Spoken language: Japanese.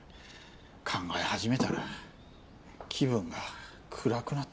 考え始めたら気分が暗くなってきた。